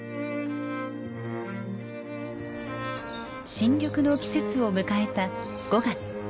新緑の季節を迎えた５月。